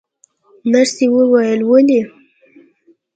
نرسې وویل: ولې؟